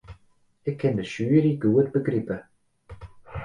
Ik kin de sjuery goed begripe.